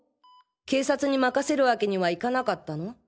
警察に任せる訳にはいかなかったの？